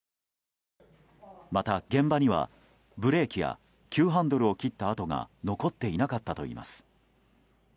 また、現場にはブレーキや急ハンドルを切った跡が残っていなかったといいます。